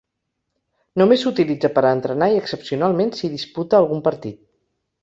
Només s'utilitza per a entrenar i excepcionalment s'hi disputa algun partit.